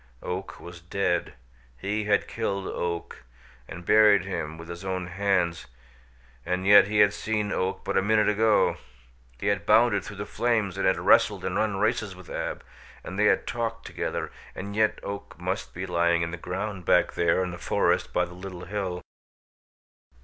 Oak was dead; he had killed Oak, and buried him with his own hands, and yet he had seen Oak but a minute ago! He had bounded through the flames and had wrestled and run races with Ab, and they had talked together, and yet Oak must be lying in the ground back there in the forest by the little hill.